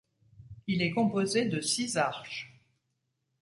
Il est composé de six arches.